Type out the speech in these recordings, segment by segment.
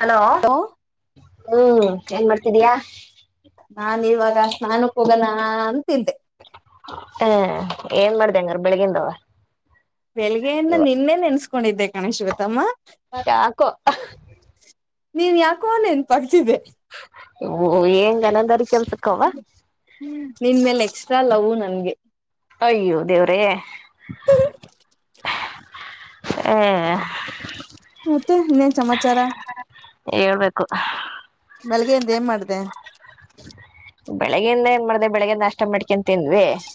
Hello ಹ್ಮ್ ಏನ್ ಮಾಡುತ್ತಿದಿಯಾ ನಾನ್ ಇವಾಗ ಸ್ನಾನಕ್ಕೆ ಹೋಗೋಣ ಅಂತಿದ್ದೆ ಹ್ಮ ಏನ್ ಮಾಡಿದೆ ಹಂಗಾರ ಬೆಳಗಿಂದು ಬೆಳಿಗ್ಗೆಯನ್ನ ನಿನ್ನೆ ನೆನ್ಸ್ಕೊಂಡಿದ್ದೆ ಕಾಣೆ ಶ್ವೇತಮ್ಮ ಯಾಕೋ ನೀನ್ ಯಾಕೋ ನೆನಪಾಗ್ತಿದ್ದೆ ಏನ್ ಅನಂದರಿ ಕೆಲಸಕ್ಕೆ ಅವ್ವ ನಿನ್ ಮೇಲೆ ಎಕ್ಸ್ಟ್ರಾ ಲವ್ವು ನನ್ಗೆ ಅಯ್ಯೋ ದೇವ್ರೇ ಹ [unintelligible] ಮತ್ತೆ ಇನ್ನೇನ್ ಸಮಮಾಚಾರ ಹೇಳ್ಬೇಕು ಬೆಳಗ್ಗೆಯಿಂದ ಏನ್ ಮಾಡ್ದ ಬೆಳಿಗ್ಗೆಿಂದಏನ್ ಮಾಡ್ದ ಬೆಳಿಗ್ಗೆಿಂದ ನಷ್ಟ ಮಾಡ್ [unintelligible]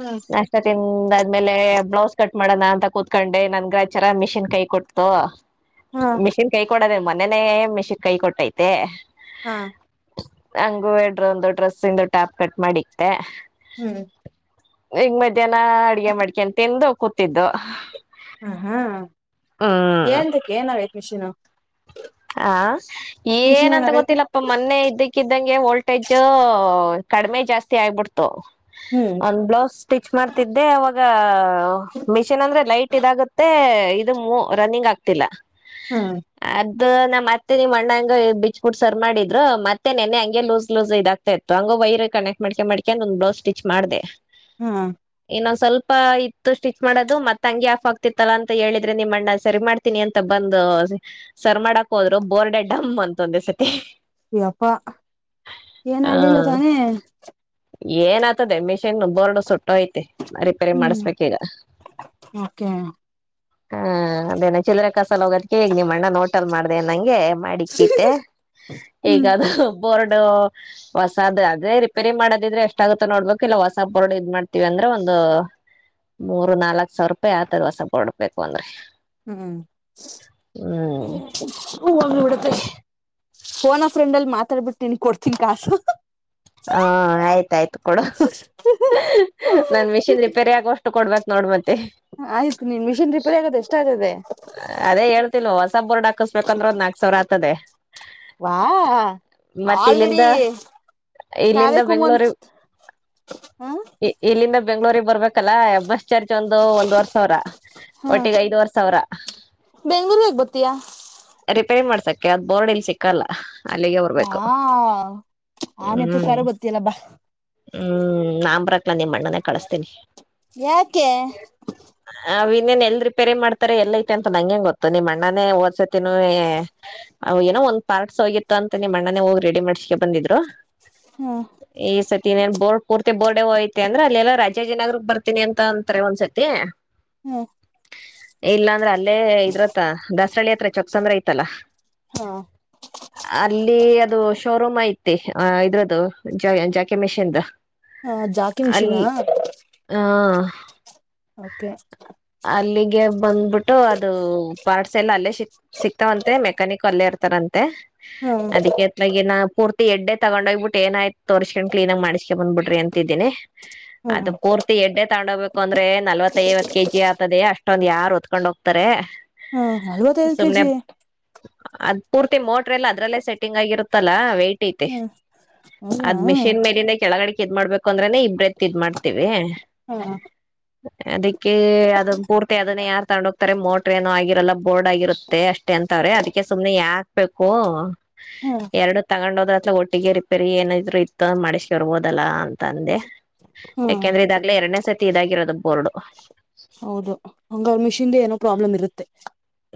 ಹ್ಮ್ ನಷ್ಟ ತಿಂದ್ಮೇಲೆ ಬ್ಲೌಸ್ ಕಟ್ ಮಾಡೋಣ ಅಂತ ಕೂತ್ಕೊಂಡೆ ನನ್ಗಚರ ಮಿಷಿನ್ ಕೈ ಕೊಡ್ತು ಹಾ ಮಿಷಿನ್ ಕೈ ಕೊಡದೇ ಮನನೆೇ [unintelligible] ಮೆಸಕ್ ಕೈ ಕೊಟ್ಟೈತೆ ಹಾ ಹಂಗು ಎಡ್ರ ಒಂದು ಡ್ರೆಸ್ಸಂದು ಟ್ಯಾಪ್ ಕಟ್ ಮಾಡಿತೆ ಹ್ಮ್ ಈಗ ಮಧ್ಯಾಹ್ನ ಅಡ್ಗೆ ಮಡಿಕೆನ್ ತಿಂದು ಕೂತಿದ್ದು ಹ ಹಾ ಹ್ಮ್ ಳ್ದಕ್ಕೆ [unintelligible] ಏನಾಗಿದೆ ಮಿಷಿನು ಹ ಮಿಷಿನ್ ಏನಂತ ಏನಾಗೈತೆ ಗೊತ್ತಿಲ್ಲಪ್ಪ ಮೊನ್ನೆ ಇದ್ದಕ್ಕಿದ್ದಂಗೆ ಒಳ್ಳ ಶಟೇಜ್ ಕಡಿಮೆ ಜಾಸ್ತಿ ಆಗ್ಬಿಡ್ತು ಹ್ಮ್ ಒಂದ್ ಬ್ಲೌಸ್ ಸ್ಟಿಚ್ ಮಾಡ್ತಿದ್ದೆ ಅವಾಗ ಈಗ ಮಿಷಿನ್ ಅಂದ್ರೆ ಲೈಟ್ ಇದಾಗುತ್ತೆ ಇದು ರನ್ನಿಂಗ್ ಆಗ್ತಿಲ್ಲ ಹ್ಮ ಇ ನಾ ಮತ್ತೆ ನೀವ್ ಅಣ್ಣಂಗ ಬೀಚ್ ಕಟ್ಟ ಸರ್ ಮಾಡಿದ್ರು ಮತ್ತೆ ನೆನೆೆ ಹಂಗೆ ಲೂಸ್ ಲೂಸ್ ಇದಾಗ್ತಾ ಇತ್ತು ಹಂಗ ವೈರ್ ಕನೆಕ್ಟ್ ಮಾಡಿ ಮಾಡ್ಕೊಂಡು ಒಂದ ಬ್ಲೌಸ್ ಸ್ಟಿಚ್ ಮಾಡ್ದಿದೆ ಹ್ಮ್ ನಾ್ [unintelligible] ಸ್ವಲ್ಪ ಇತ್ತು ಸ್ಟಿಚ್ ಮಾಡೋದು ಮತ್ತ ಹಂಗೆ ಆಫ್ ಆಗ್ತಿತ್ತಲ್ಲಾ ಅಂತ ಹೇಳಿದ್ರೆ ನಿಮ್ಮ ಅಣ್ಣ ಸರಿ ಮಾಡ್ತೀನಿ ಅಂತ ಬ ಒಂದು ಸರಿ ಮಾಡಕ್ ಹೋದ್ರು ಬೋರ್ಡೆ ಡಮ್ ಅಂತ ಒಂದ ಸತಿ ಯಪ್ಪಾ ಏನಾಗಲಿಲ್ಲ ತಾನೆ ಏನ್ ಆತದೆ ಮಿಷಿನ್ ಬೋರ್ಡ್ ಸುಟ್ಟು ಐತಿ ರಿಪೇರಿ ಹ್ಮ್ ಮಾಡುಸ್ಬೇಕು ಈಗ ಓಕೆ ಹಾ ಅದೇನ ಚಿಿಲ್ಲರೆ ಕಸಲ್ ಹೋಗೋದಕ ಈಗ್ ನಿಮ್ಮ ಅಣ್ಣ ನೋಟಲ್ ಮಾಡ್ದ ನಂಗೆ ಮಾಡಿ ಇಕ್ಕಿ ಐತೆ ಹ್ಮ್ ಈಗಾದ ಬೋರ್ಡ್ ಹೊಸಾದ್ ಅದೇ ರಿಪೇರಿ ಮಾಡೋದಿದ್ರೆ ಎಷ್ಟಾಗಗುತ್ತೋ ನೋಡ್ಬೇಕು ಇಲ್ಲ ಹೊಸ ಬೋರ್ಡ್ ಇದ್ ಮಾಡ್ತೀವಿ ಅಂಗ ಒಂದು ಮೂರು ನಾಲ್ಕ್ ಸಾವಿರ ರೂಪಾಯಿ ಆತದ್ ವಸ ಹೊಡ್ಬೇಕು ಅಂದ್ರಿ ಹ್ಮ್ ಹ ಹ ನಡತ್ ಫೋನೊ ಫ್ರೆಂಡ್ಲ್ಲಿ ಮಾತಾಡ್ಬಿಟ್ಟ ನೀ ಕೊಡ್ತೀನ್ ಕಾಸು. ಹಾ ಆಯ್ತಾಯ್ತು ಕೊಡ ನನ್ ಮೆಷಿನ್ ರಿಪೆರಿ ಆಗೊಷ್ಟ್ರಲ್ ಕೊಡ್ಬೇಕೇಕ್ ನೋಡ್ ಮತ್ತೆ. ಆಯ್ತು ನೀನ್ ಮಿಷಿನ್ ರಿಪೇರಿ ಆಗೋದು ಎಷ್ಟ ಆಗ್ತದೆ ಅದೇ ಹೇಳ್ತಿಲ್ ಹೊಸ ಬೋರ್ಡ್ ಹಾಕಸ್ಬೇಕಂದ್ರೆ ಒಂದ್ ನಾಕ್ ಸಾವಿರ. ಆಗ್ತದೆ ವಾ ಆಲ್ರೆಡಿ ಇಲ್ಲಿಂದ ಇಲ್ಲಿಂದ ಕಾವೆಕು ಬೆಂಗ್ಳೂರಿ ಮಂತ್ ಹ ಬೆಂಗಳೂರಿಗೆ ಬರ್ಬೇಕ್ ಕಲ್ಲಾ ಬಸ್ ಚಾರ್ಜ್ ಒಂದು ಒಂದುವರ್ ಸಾವಿರ ಒಟ್ಟಿಗೆ ಐದುವರೆ ಸಾವಿರ. ಬೆಂಗಳೂರುಗ್ ಯಾಕ್ ಬ ರಿಪೇರಿ ಮಾಡ್ಸಕ್ಕೆ ಅದು ಬೋರ್ಡ್ ಇಲ್ಲಿ ಸಿಕ್ಕಲ್ಲ. ಅಲ್ಲಿಗೆ ಹಾ ಬರ್ಬೇಕು ಆ ಹ್ಮ್ ನೆಪುಕಾರು ಬತ್ತಿಯಲ್ಲ ಬಾ. ಹ್ಮ್ ನಂಬ್ರಕ್ಲ ನಿಮ್ಮ್ ಅಣ್ಣುನೇ ಕಳಸ್ತೀನಿ. ಯಾಕೆ ಅವ ಇನ್ನೇನ್ ಎಲ್ ರಿಪೇರೆ ಮಾಡ್ತ. ರ ಎಲ್ಲ ಐತೆ ಅಂತ ನಂಗೆಂಗ ಗೊತ್ತು ನಿಮ್ಮ ಅಣ್ಣನಾನ ಓದಸತಿನ ಏನೋ ಒಂದು ಪಾರ್ಟ್ಸ್ ಹೋಗಿತ್ತು. ಅಂತ ನಿಮಣ್ಣನೇ ಹೋಗಿ ರೆಡಿ ಮಾಡ್ಸಕ ಬಂದಿದ್ರು ಹ್ಮ ಈ ಸತಿನ್ ಬೋರ್ ಪೂರ್ತಿ ಬೋರ್ಡೆ ಹ ಐತೆತಿ ಅಂದ್ರೆ ಅಲ್ಲೆಲ್ಲಾ ರಾಜಾಜಿನಗರ್ ಬರ್ತಿನನಿ ಅಂತ ಅಂತಾರೆ ಒಂದ್ಸತಿ. ಹ್ಮ್ ಇಲ್ಲಾ ಅಂದ್ರ ಅಲ್ಲೇ ಇದ್ರತ್ರ ದಸರಳ್ಳಿ ಹತ್ರ ಚೊಕ್ಸಂದ್ರ ಐತಲ್ಲಾ. ಹಾ ಅಲ್ಲಿ ಅದು ಶೋರೂಮ್ ಐತಿ. ಆ ಇದ್ರದದು ಜಯ ಜಾಕಿ ಮೆಷಿಂದು. ಹ ಜಾಕಿ ಮಿಷಿನಾ ಅಲ್ಲಿ ಹಾ ಓಕೆ ಅಲ್ಲಿಗೆ ಬಂದ್ಬಿಟ್ಟು ಅದು. ಪಾರ್ಟ್ಸ್ ಎಲ್ಲ ಅಲ್ಲೇ ಸಿ ಸಿಕ್ತಾವಂತೆ ಮೆಕ್ಯಾನಿಕ್ ಅಲ್ಲೇ ಇರ್ತಾರಂತೆ ಹ್ಮ ಅದಕ್ಕೆ ಹತ್ತಾಗಿನ. ಪೂರ್ತಿ ಎಡ್ಡೆ ತಗೊಂಡ ಹೋಗ್ಬಿಟ್ಟ ಏನಾಯ್ತ ತೋರ್ಸಕ್ಕೊಂಡು ಆಂಗ ಮಾಡಸ್ಕೊಂಡು ಬಂದ್ ಬಿಡ್ರಿ ಅಂತಿದ್ದಿನಿ. ಅದು ಹ್ಮ್ ಪೂರ್ತಿ ಎಡ್ಡೆ. ತಗೊಂಡೋಗ್ಬೇಕು ಅಂದ್ರೆ ನಲ್ವತ್ತ ಐವತ್ ಕೆ ಜಿ ಆತದೆ ಅಷ್ಟೊಂದ್ ಯಾರ್ ಒತ್ಕೊಂಡ್ ಹೋಗ್ತಾರೆ. ಹ್ಮ್ ನಲ್ವತ್ತೈದು ಸುಮ್ನೆ ಕೆಜಿ ಅ ಪೂರ್ತಿ ಮೋಟ್ರ ಎಲ್ಲ ಅದ್ರಲ್ಲೇ ಸೆಟ್ಟಿಂಗ್ ಆಗಿರುತ್ತಲ್ಲ ವೈಟ್ ಐತಿ. ಹ್ಮ್ ಹೌದಾ ಅದ್ ಮಿಷಿನ್ ಮೇಲಿಂದ ಕೆಳಗಡೆ ಇದ್ ಮಾಡ್ಬೇಕು ಅಂದ್ರನ ಇಬ್ರತ್ ಇದ್ ಮಾಡ್ತೀವಿ. ಹ್ಮ್ ಅದಕ್ಕೆ ಅದು ಪೂರ್ತಿ ಅದನ್ನ ಯಾರ. ತಗೊಂಡ ಹೋಗ್ತಾರೆ ಮೋಟ್ರರ್ ಏನೋ ಆಗಿರಲ್ಲ ಬೋರ್ಡ್ ಆಗಿರುತ್ತೆ ಅಷ್ಟೇ ಅಂತವ್ರೆ ಅದಕ್ಕೆ ಸುಮ್ನೆ ಯಾಕ್ಬೇಕು. ಹ್ಮ್ ಎರಡು ತಗೊಂಡ್ ಹೋದ್ರತ್ರ ಒಟ್ಟಿಗೆ ರಿಪೇರಿ ಏನಿದ್ರು ಇತ್ತು ಮಾಡಿಸಕ ಬರ್ಬೋದಲ್ಲಾ ಅಂತ ಅಂದೆ. ಹ್ಮ್ ಯಾಕೆಂದ್ರೆ ಇದಾಗ್ಲೇ ಎರಡನೇ ಸತಿ ಇದಾಗಿರೋದು ಬೋರ್ಡು. ಹೌದು ಹಂಗಂದ್ರ ಮಿಷಿನ್ ಏನೋ ಪ್ರಾಬ್ಲಮ್ ಇರುತ್ತೆ.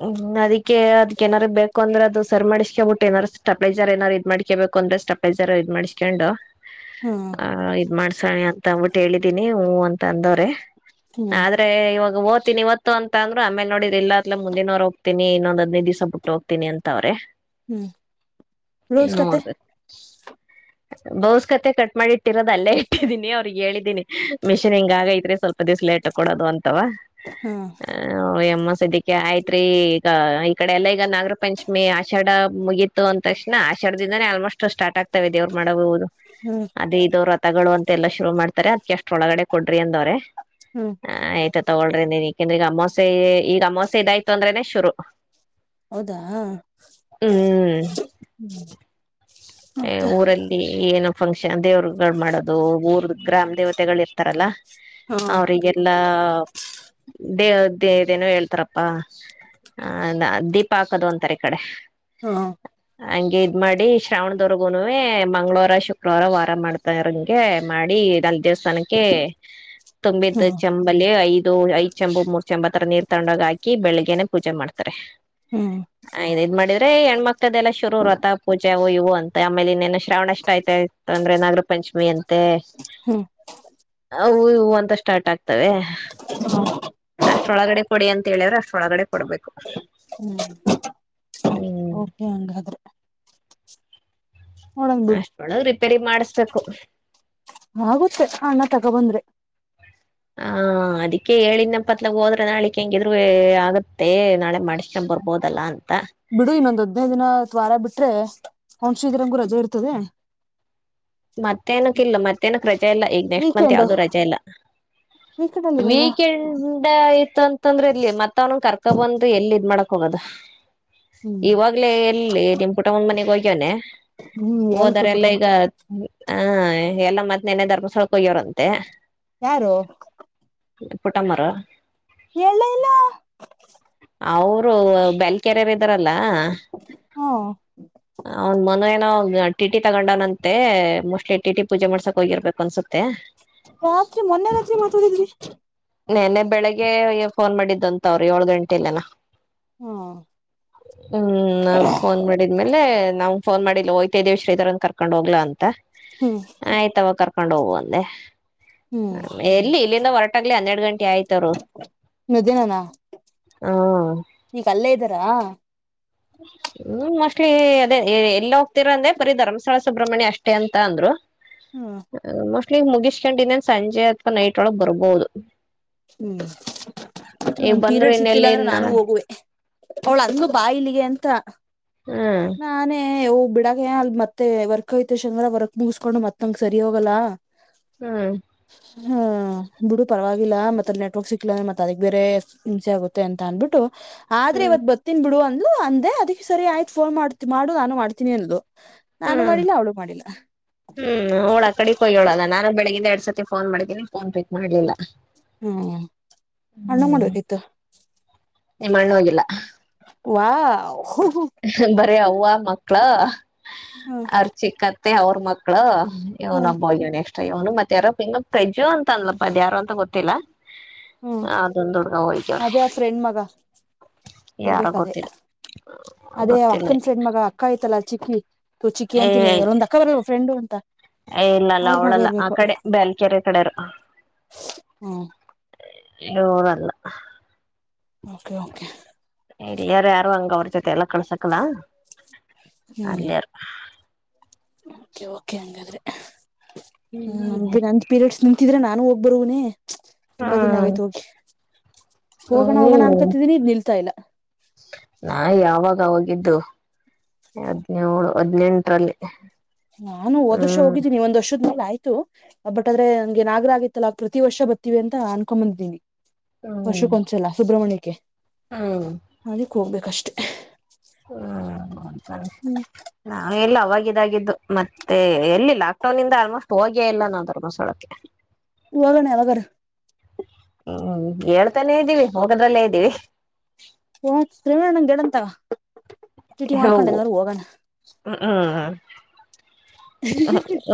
ಹ್ಮ್ ಅದಕ್ಕೆ ಅದ್ ಏನಾರು ಬೇಕ ಅಂದ್ರೆ ಅದು ಸ ಮಾಡ್ಕ ಬಿಟ್ಟು ಏನಾರ ಟಪೇಜರ್ ಏನಾರು ಇದ್ ಮಾಡ್ಕಬೇಕು ಅಂದ್ರೆ. ಅಷ್ಟಪ್ಪೈಜಾರ ಇದ್ ಮಾಡ್ಸ್ಕೊಂಡು. ಹ್ಮ್ ಹ ಇದ್ ಮಾಡ್ಸಳಿ ಅಂತ ಅಂದಬಿಟ್ಟು ಹೇಳಿದ್ದೀನಿ ಹೂ ಅಂತ ಅಂದವ್ರೆ. ಹ್ಮ್ ಆದ್ರೆ ಇವಾಗ ಓತೀನಿ ಇವತ್ತು ಅಂತ ಅಂದ್ರು ಆಮೇಲೆ ನೋಡಿರೆ ಇಲ್ಲ. ಇಲ್ಲ ಮುಂದಿನವ್ ಹೋಗ್ತೀನ ಇನೋಂದ್ ಹದಿನೈ ದಿವಸ ಬಿಟ್ಟ ಹೋಗ್ತಿನಿ ಅಂತವ್ರೆ. ಹ್ಮ್ ಬ್ಲವ್ಸ್ ಕತೆ. [inaudible] ಬೌಸ್ ಕತೆ ಕಟ್ ಮಾಡಿ ಇಟ್ಟಿರೋದ ಅಲ್ಲೇ ಇಟ್ಟಿದ್ದೀನಿ ಅವ್ರಿಗ್ ಹೇಳಿದ್ದಿನಿ ಮಿಷಿನ್ ಹಿಂಗಗೈ ಇದ್ರೆ ಸ್ವಲ್ಪ ದಿವ್ಸ. ಟ್ಟ ಕೊಡದು ಅಂತವ ಹ್ಮ್ ಆಯಮ್ ಆಯ್ತ್ರಿ ಈಗ ಈ ಕಡೆ ಎಲ್ಲ ಈಗ ನಾಗರ ಪಂಚಮಿ ಆಷಾಢ ಮುಗಿತ್ ಅಂದ ತಕ್ಷಣ ಆಷರದಿಂದಾನೇ ಆಲ್ಮೋಸ್ಟ್ ಸ್ಟಾರ್ಟ್ ಆಗ್ತಾವವೆ ದೇವ್ರು ಮಾಡಬಹುದು ಹ್ಮ್ ಅದೇ ಇದವ್ರ ಳ ತಗೊಳ್ಳುವ ಅಂತೆ ಎಲ್ಲಾ ಶುರು ಮಾಡ್ತಾರೆ ಅದ್ಕಷ್ಟ ಒಳಗಡೆ ಕೊಡ್ರಿ ಅಂದವ್ರೆ ಹ್ಮ್ ಆಯ್ತಾ ತಗಳ್ರಿ ಅಂದಿನಿ. ಯಾಕೆಂದ್ರೆ ಈಗ ಅಮಾಸೆ ಈಗ ಅಮಾಸೆ ಇದಾಯ್ತು ಅಂದ್ರೆನೆ ಶುರು. ಹೌದಾ ಹ್ಮ್ ಮತ್ತ ಊರಲ್ಲಿ ಏನು ಫಂಕ್ಷನ್ ದೇವ್ರ ಮಾಡೋದು ಊರ್ ಗ್ರಾಮ್ ದೇವತೆಗಳು ಇರ್ತಾರಲ್ಲ ಹಾ ಅವ್ರರಿಗೆಲ್ಲಾ ದೇ ಇದೇನೋ ಹೇಳ್ತಾರಪ್ಪಾ ಅ ದೀಪ ಹಾಕದು ಒಂತಾರೆ ಈ ಕಡೆ ಹಾ ಹಾ ಹಂ ಇದ್ ಮಾಡಿ ಶ್ರಾವಣದವರ್ಗೂ ಮಂಗಳವಾರ ಶುಕ್ರವಾರ ವಾರ ಮಾಡ್ತಾಂಗೆ ಮಾಡಿಲ್ಲಿ ದೇವಸ್ಥಾನಕ್ಕೆ ತುಂಬಿದ್ದು ಹ್ಮ್ ಚಂಬಲಿ ಐದು ಇದು ಐದ್ಂಬ ಮೂರ್ ಚಂಬು ಹತ್ರ ನೀರ್ ತಗೊಂಡೋಗ್ ಹಾಕಿ ಬೆಳಿಗ್ೇನೆ ಪೂಜೆ ಮಾಡ್ತಾರೆ ಹ್ಮ್ ಇದ ಇದ್ ಮಾಡಿದ್ರೆ ಹೆಣ್ಮಕ್ಳದದೆಲ್ಲ ಶುರುರುತ ಪೂಜೆವು ಇವು ಅಂತ ಆಮೇಲೆ ಇನ್ನೇನ ಶ್ರವಣ ಅಷ್ಟ ಆಯ್ತತ ಅಂದ್ರೆ ನಾಗರ ಪಂಚಮಿ ಅಂತೆ ಹ್ಮ್ ಅವು ಹೂ ಅಂತ ಸ್ಟಾರ್ಟ್ ಆಗ್ತವೆ ಅಷ್ಟ ಒಳಗಡೆ ಕೊಡಿ ಅಂತ ಹೇಳಿದ್ರೆ ಅಷ್ಟೊಳಗಡೆ ಕೊಡ್ಬೇಕು ಹ್ಮ್ ಕೆ ಹಂಗಾದ್ರೆ ನೋಡಂಗ ಬಿಡು ಅಷ್ಟರೊಳಗ ರಿಪೇರಿ ಮಾಡಿಸಬೇಕು ಆಗುತ್ತೆ ಅಣ್ಣ ತಗೊಬಂದ್ರೆ ಹ ಅದಕ್ಕೆ ಹೇಳಿದನಪ್ಪ ಆತಗ ಹೋದ್ರೆ ನಾಳಿಕ್ ಹೆಂಗಿದ್ರು ಆಗತ್ತೆ ನಾಳೆ ಮಾಡಸ್ಕೊಂಡ ಬರ್ಬೋದಲ್ಲಾ ಅಂತ ಬಿಡು ಇನ್ನೊಂದ ಹದ್ನೈದ ದಿನ ವಾರ ಬಿಟರೇ ಅವನ್ ಶ್ರೀ ಇದ್ರಂಗೂ ರಜೆ ಇರ್ತದೆ ಮತ್ತೇನಕ ಇಲ್ಲ ಮತ್ತೇನಕ ರಜೆ ಇಲ್ಲ ಈಗ ನೆಕ್ಸ್ಟ್ ಮಂತ್ ವೀಕೆಂಡ್ ಯಾವದು ರಜೆ ಇಲ್ಲ ವೀಕೆಂಡ್ ಅಲ್ಲಿ ಇರಲ್ವಾ ವೀಕೆಂಡ್ ಆಯತ್ತ ಅಂತಂದ್ರೆ ಅಲ್ಲಿ ಮತ್ತ ಅವನ ಕರ್ಕೊ ಬಂದ ಎಲ್ಲಿ ಇದ ಮಾಡಕ ಹೋಗೋದು ಹ್ಮ್ ಇವಾಗಲೇ ಎಲ್ಲಿ ನಿಮ್ಮ ಪುಟವನ ಮನೆಗ ಹೋಗ್ಯವನೆ ಹ್ಮ್ ಹೇಳ್ತು ಹೋದರೆ ಎಲ್ಲ ಪುಟಮ್ಮ ಈಗ ಹಾ ಎಲ್ಲ ಮತ್ತ ನಿನ್ನೆ ಧರ್ಮಸ್ಥಳಕ್ಕೆ ಹೋಗಿ ಅವರಂತೆ ಯಾರು ಪುಟ್ಟಮ್ಮರ ಹೇಳೇ ಇಲ್ಲ ಅವರು ಬೆಲಕೆರೆರೆ ಇದರಲ್ಲ ಹ್ಮ ಅವನ ಮೊನ್ನೆ ಏನು ಟಿಟಿ ತಗೊಂಡವನಂತ ಮತ್ತೆ ಮೋಸ್ಟ್ಲಿ ಟಿಟಿ ಪೂಜೆ ಮಾಡ್ಸೋಕೆ ಹೋಗಿರ್ಬೇಕು ಅನ್ಸುತ್ತೆ ರಾತ್ರಿ ಮೊನ್ನೆ ರಾತ್ರಿ ಮಾತಾಡಿದ್ರಿ ನೆನ್ನೆ ಬೆಳಿಗ್ಗೆ ಅಯ್ಯ ಫೋನ್ ಮಾಡಿದ್ದಂತ ಅವರ ಏಳು ಗಂಟೆ ಇಲ್ಲನ ಹು ಹ್ಮ ನಾವು ಫೋನ್ ಮಾಡಿದ್ಮೇಲೆ ನವಾ ಫೋನ್ ಮಾಡಿಲ್ಲ ಹೊಯ್ತಿದಿವಿ ಶ್ರೀಧರನ ಕರ್ಕೊಂಡ್ ಹೋಗಲಾ ಅಂತ ಹ್ಮ್ ಆಯ್ತವ ಕರ್ಕೊಂಡ್ ಕರ್ಕೊಂಡ್ ಹೋಗು ಅಂದೆ ಹ್ಮ್ ಎಲ್ಲಿ ಇಲ್ಲಿಂದ ಹೊರಟಾಗಲಿ ಹನ್ನೆರಡು ಗಂಟೆ ಆಯ್ತವರು ನದೀನನಾ ಈಗ ಅಲ್ಲೇ ಇದ್ದಾರ ಹು ಮೋಸ್ಟ್ಲಿ ಅದೇ ಎಲ್ಲ ಹೋಗ್ತೀರಾ ಅಂದೆ ಬರೀ ಧರ್ಮಸ್ಥಳ ಸುಬ್ರಹ್ಮಣ್ಯ ಅಷ್ಟೇ ಅಂತ ಅಂದ್ರು ಹ್ಮ್ ಮೋಸ್ಟ್ಲಿ ಮುಗಿಸಕೊಂಡಿ ಇನ್ನೇನು ಸಂಜೆ ಅಥವಾ ನೈಟ್ ಒಳಗೆ ಬರ್ಬೋದು ಹು ಈಗ ನನ್ನ ಬಂದ್ರು ಪೀರಿಯಡ್ಸ್ ಇರಿತ್ತಲ್ಲ ಇನ್ನೆಲ್ಲಿ ಅಂದ್ರೆ ನಾನು ಹ್ಮ್ ಹೋಗುವೆ ಅವಳ ಅಂದ್ಲು ಬಾ ಇಲ್ಲಿಗೆ ಅಂತ ನಾನೇ ಓ ಬಿಡಲ್ಲ ಅಲ್ಲೆ ಮತ್ತೆ ವರ್ಕ್ ಐತೆ ಶನಿವಾರ ವರ್ಕ್ ಮುಗಿಸಕೊಂಡು ಮತ್ತ ಹಂಗ ಸರಿ ಹೋಗಲ್ಲ ಹು ಹು ಬಿಡು ಪರವಾಗಿಲ್ಲ ಮತ್ತೆ ನೆಟ್ವರ್ಕ್ ಸಿಕಲಿಲ್ಲ ಮತ್ತ ಅದಕ್ಕೆ ಬೇರೆ ಹಿಂಸೆ ಆಗುತ್ತೆ ಅಂತ ಅನ್ಬಿಟ್ಟು ಆದರೇ ಹ್ಮ್ ಇವತ್ತ ಬರ್ತೀನಿ ಬಿಡು ಹು ಅಂದೇ ಅದಕ್ಕೆ ಸರಿ ಆಯ್ತು ಫೋನ್ ಮಾಡ ಮಾಡು ನಾನು ಮಾಡ್ತೀನಿ ಅಂದ್ಲು ಹು ನಾನು ಮಾಡಿಲ್ಲ ಅವಳು ಮಾಡಿಲ್ಲ ಹು ಅವಳು ಆ ಕಡೆಕ ಹೋಗಳಲ್ಲ ನಾನ ಬೆಳಿಗಿಂದ ಏರ ಎರಡು ಸತಿ ಫೋನ್ ಮಾಡಿದೀನಿ ಫೋನ್ ಪಿಕ್ ಮಾಡ್ಲಿಲ್ಲ ಹು ಅನ್ನ ಮಾಡಬೇಕಿತ್ತು ನಿಮ್ಮ ಅಣ್ಣ ಹೋಗಿಲ್ಲ ವಾವ್ವಾ ಬರೀ ಅವ್ವ ಮಕ್ಕಳ ಹ್ಮ್ ಅವ ರಚಿಕ್ಕಅತ್ತೆ ಅವರ ಮಕ್ಕಳ ಹ್ಮ್ ಇವನೊಬ್ಬ ಆಗೋನೆ ಎಕ್ಸ್ಟ್ರಾ ಇವನು ಮತ್ತೆ ಯಾರಪ್ಪ ಇನ್ ಪ್ರಜ್ಜು ಅಂದಲಪ್ಪ ಅದ ಯಾರೋ ಅಂತ ಗೊತ್ತಿಲ್ಲ ಹ್ಮ್ ಅದಂದು ಹುಡುಗ ಹೋಗ ಅವರೇ ಅದೇ ಆ ಫ್ರೆಂಡ್ ಮಗ ಯಾರ ಇರ್ಬೇಕ್ ಅದೇ ಗೊತ್ತಿಲ್ಲ ಅದೇ ಗೊತ್ತಿಲ್ಲ ಅಕ್ಕನ ಫ್ರೆಂಡ್ ಮಗ ಅಕ್ಕ ಐತಲ್ಲ ಚಿಕ್ಕಿ ತು ಚಿಕ್ಕಿ ಅಂತಿನಿ ಏ ಎಲ್ಲೊಂದ ಅಕ್ಕ ಬರಲ್ಲ ಫ್ರೆಂಡ್ ಅಂತ ಇಲ್ಲಲ್ಲ ಅವ್ರ ಮಗ ಅವಳಲ್ಲ ಆ ಇರ್ಬೇಕು ಕಡೆ ಬ್ಯಾಲ್ಕೆರೆ ಕಡೆರು ಹು ಇವರಲ್ಲ ಓಕೆ ಓಕೆ ಇಲ್ಲಿರುವವರು ಯಾರು ಹಂಗ ಅವರ ಜೊತೆ ಕಳಸಕ್ಕಿಲ್ಲ ಹ್ಮ್ ಅಲ್ಲಿ ಯಾರು ಓಕೆ ಓಕೆ ಹಂಗಾದ್ರೆ ಹು ನಂದ ಪೀರಿಯಡ್ಸ್ ನಿಂತಿದ್ರೆ ನಾನು ಹೋಗಬರೋನೆ ತುಂಬಾ ದಿನ ಆಗೈತ ಹೋಗಿ ಹೋಗೋಣ ನಾನು ಹೋಗೋಣ ಅನ್ಕತಿದೀನಿ ಇದ್ ನಿಲ್ತಾ ಇಲ್ಲ ನಾ ಯಾವಾಗ ನಾ ಹೋಗಿದ್ದು ಹದಿನೇಳು ಹದ್ನೆಂಟರಲ್ಲಿ ನಾನು ಹೋದ ವರ್ಷ ಹ್ಮ್ ಹೋಗಿದ್ದೀನಿ ಒಂದು ವರ್ಷದ ಮೇಲೆ ಆಯ್ತು ಇ ಬಟ್ ಆದ್ರೆ ನಂ ಗೆನ್ನಾಗ್ರ ಆಗಿತ್ತಲ್ಲ ಪ್ರತಿ ವರ್ಷ ಬರ್ತೀವಿ ಅಂತ ಅನ್ಕೊಂಡ್ ಬಂದಿದ್ದೀನಿ ಹ್ಮ್ ವರ್ಷಕ್ಕೊಂಸಲ ಸುಬ್ರಮಣ್ಯಕ್ಕೆ ಹ್ಮ್ ಕ ಹೋಗ್ಬೇಕಷ್ಟೆ ಹ್ಮ ಹ್ಮ್ ನಾ ಎಲ್ಲ ಅವಾಗ ಇದಿದ್ದು ಮತ್ತೆ ಎಲ್ಲಿ ಲಾಕ್ ಡೌನ್ ಇಂದ ಆಲ್ಮೋಸ್ಟ್ ಹೋಗೇ ಇಲ್ಲ ನಾ ಧರ್ಮಸ್ಳಕ್ಕೆ ವಾಗ ನವಾಗರ ಹ್ಮ್ ಹೇಳ್ತಾನೇ ಇದ್ದೀವಿ ಹೋಗೊಂಡ್ರಲ್ಲೇ ಇದ್ದೀವಿ ಹಓ ತ್ವೇಣನ್ ಗಗೆಡಂತ ಹೌ ಹ್ಮ್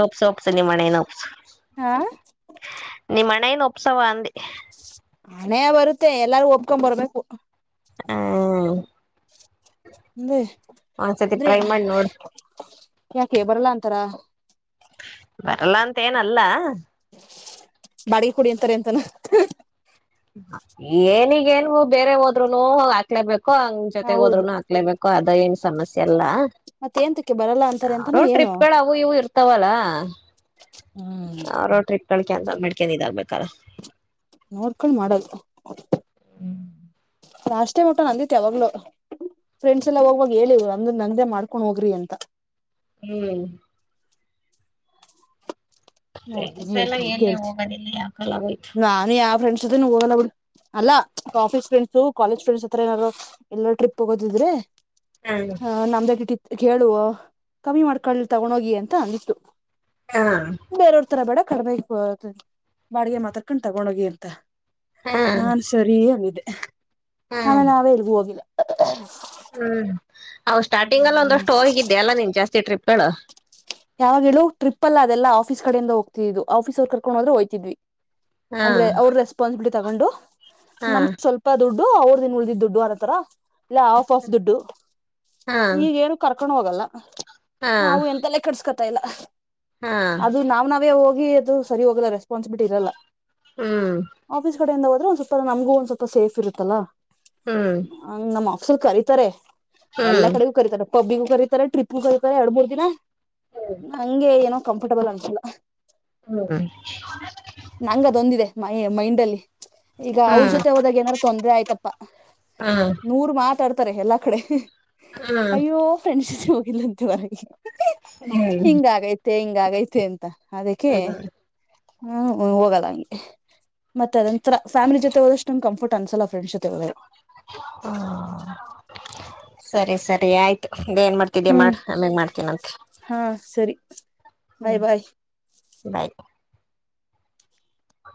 ಒಪ್ಸ ಒಪ್ಸ ನಿ ಮಣೇನ ಹಾ ಉತ್ಸವ ಅ ಮನೆಯ ಬರುತ್ತೆ ಎಲ್ಲಾರು ಒಪ್ಕೊ ಬರ್ಬೇಕು ಹ್ಮ [unintelligible] ಒಂದ್ಸತಿ ಅದ್ರೆ ಟ್ರೈ ಮಾಡಿ ನೋಡ ಯಾಕೆ ಬರಲ್ಲಾ ಅಂತಾರ ಬರಲ್ಲ ಅಂತ ಏನಲ್ಲ ಬಾಡಿಗೆ ಕುಡಿ ಅಂತಾರೆ ಎಂತಾನ ಏನಿಗೇನು ಬೇರೆ ಹೋದ್ರುನು ಹ ಹಾಕ್ಲೇಬೇಕು ಹೋ ಹಂಗ್ ಜೊತೆಗ ಹೌದು ಹೋದ್ರರುನು ಹಾಕ್ಲೇಬೇಕೋ ಅದ ಏನ್ ಸಮಸ್ಯೆಲ್ಲಾ ಮತ್ತ ಏಂತಕ್ಕೆ ಬರಲ್ಲ ಅಂತಾರೆ ಅಂತಾನ ಯಾರೋ ಏನು ಟ್ರಿಪ್ಗಳು ಅವು ಇವು ಇರ್ತಾವಲ್ಲ ಹ್ಮ್ ಮಳ್ಕ ಮಡ್ಕೆನ್ ಇದಾಗಬೇಕಾರ ನೋಕಲ್ ಮಾಡಲ್ ಲಾಸ್ಟ್ ಟೈಮ್ ಮಟ್ಟ ನಂದಿತೆ ಯಾವಾಗ್ಲು ಫ್ರೆಂಡ್ಸ್ ಎಲ್ಲಾ ಹೋಗಗಾಗ ಹೇಳಿ ನಮ್ ನನ್ ಮಾಡ್ಕೊಂಡ್ ಹೋಗ್ರಿ ಅಂತ ಹ್ಮ್ ಹೋಡ್ತೇನಿ ಫ್ರೆಂಡ್ಸ್ ಎಲ್ಲ ಹೇಳ್ತೇನೆ ಎಲ್ಲಿ ಕೇಳ್ತೀನಿ ಹೋಗೋದಿಲ್ಲ ಯಾಕಲ್ಲ ಹೋಯ್ತು ನಾನು ಯಾವ ಫ್ರೆಂಡ್ ಜೋತೆ ಹೋಗೋ ಬಿ ಅಲ್ಲ ಆಫೀಸ್ ಫ್ರೆಂಡ್ಸು ಕಾಲೇಜ ಫ್ರೆಂಡ್ ಹತ್ರ ಏನಾರರು ಎಲ್ಲ ಟ್ರಿಪ್ ಹೋಗದಿದ್ರೆ ಹ್ಮ್ ಹ ನಮ್ದಾಗ ಇಟ್ಟಿತ್ತು ಕೇಳುವ ಕಮ್ಮಿ ಮಾಡ್ಕೊಳ್ಳಿ ತಗೊಂಡೋಗಿ ಅಂತ ಅಂದಿತ್ತು ಹಾ ಬೇರವ್ರ ತರ ಬೇಡ ಕಡಿಮೆ ಬಾಡಿಗೆ ಮಾತಾಕೊಂಡು ತಗೊಂಡ ಹೋಗಿ ಅಂತ ಹ್ಮ್ ನಾನ್ ಸರಿ ಆಗಿದೆ ಹ್ಮ್ ಆಮೇಲೆ ನಾವೇ ಇಲ್ಗೂ ಹೋಗಿಲ್ಲ ಹ್ಮ್ ಅವ ಸ್ಟಾರ್ಟಿಂಗ್ ಅಲ್ಲ ಒಂದಷ್ಟು ಹೋಗಿದ್ದ್ಯಾಲ್ಲಾ ನೀನ್ ಜಾಸ್ತಿ ಟ್ರಿಪ್ಗಳು ಯಾವಾಗ ಹೇಳ ಟ್ರಿಪ್ ಅಲ್ಲ ಅದೆಲ್ಲ ಆಫೀಸ್ ಕಡೆಯಿಂದ ಹೋಗ್ತಿದ್ ಆಫೀಸ್ರ್ ಕರ್ಕೊಂಡು ಹೋದರೆ ಹಯ್ತಿದ್ವಿ ಹಾ ಅಂದ್ರೆ ಅವ್ರ ರೆಸ್ಪಾನ್ಸಿಬಿಲಿಟಿ ತಗೊಂಡು ಹಾ ನಮ್ ಸ್ವಲ್ಪ ದುಡ್ ದುಡ್ಡು ಅವ್ರ ದಿನ ಉಳ್ದಿದ್ದ ದುಡ್ಡು ಅರತರ ಇಲ್ಲ ಆಫ್ ಆಫ್ ದುಡ್ಡು ಹಾ ಈಗ ಕ ಕಕೊಂಡ ಹೋಗಲ್ಲ ಹಾ ನಾವು ಎಂತಲ್ಲ ಕಸ್ಕೊತ ಇಲ್ಲ ಹಾ ಅದು ನಾವ ನಾವೇ ಹ ಇ ಹ ಹ್ಮ್ ಸ್ವಲ್ಪ ನಮಗ ಒಂದ್ ಸ್ವಪ ಸೇಫ್ ಇರುತ್ತಲ್ಲಾ ಹ್ಮ್ ಸ ಕರೀತಾರೆ ಎಲ್ಲಾ ಹ್ಮ್ ಕಡೆಗೂ ಕರತಾರೆ ಪಬ್ಬಿಗೂ ಕರೀತಾರೆ ಟ್ರಿಪ್ ಕರೀತಾರೆ ಎರಡು ಮೂರ್ ದಿನ ಹ್ಮ್ ನಂಗೆ ಏನೋ ಕಂಫರ್ಟಬಲ್ ಆಗ್ಸಿಲ್ಲ ಹ್ಮ ನಂಗ ಅದೊಂದಿದೆ ಮೈ ಮೈಂಡಲ್ಲಿ ಈಗ ಅವ್ರ ಹ್ಮ್ ಜೊತೆ ಹೋದಾಗ ಏನಾರ ತೊಂದ್ರೆ ಆಯ್ತಪ್ಪ ಹ್ಮ್ ನೂರ್ ಮಾತಾಡ್ತ ಎಲ್ಲಾ ಕಡೆ ಹ್ಮ್ ಅಯ್ಯೋ ಫ್ರೆಂಡ್ಶಿಪ್ ಹೋಗಿಲ್ಲ ಅಂತೆ ಮರಗೆ ಹ್ಮ್ ಹೆಂಗ ಆಗೈತೆ ಅಂತ ಅದಕ್ಕೆ ಹ್ಮ್ ಹ ಹೋಗಲ್ಲ ಹಂಗೆ ಮತ್ತ ಅದಂತ್ರ್ ಫ್ಯಾಮಿಲಿ ಜೊತೆ ಹೋದಷ್ಟ ಕಂಫರ್ಟ್ ಅನ್ಸಲ್ ಫ್ರೆಂಡ್ಸ್ ಜತೆ ಹೋದರ ಹ್ಮ ಸರಿ ಸರಿ ಆಯ್ತು ಎನ್ ಮಾಡ್ತಿದ್ದಿ ಅಮ್ಮ ಹ್ಮ್ ಅಮೆಲಿ ಮಾಡ್ತಿನಂತೆ ಹಾ ಸರಿ ಹೂ ಬಾಯ್ ಬಾಯ್ ಬೈ ಹ